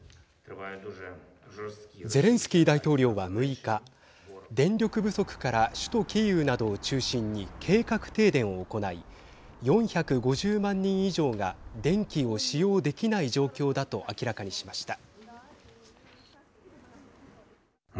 ゼレンスキー大統領は６日電力不足から首都キーウなどを中心に計画停電を行い４５０万人以上が電気を使用できない状況だと明らかにしました。